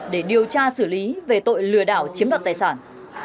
để điều tra xử lý về tội lừa đảo chiếm đoạt tài sản